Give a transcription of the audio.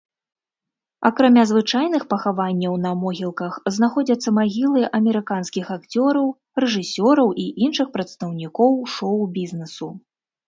Акрамя звычайных пахаванняў на могілках знаходзяцца магілы амерыканскіх акцёраў, рэжысёраў і іншых прадстаўнікоў шоу-бізнесу.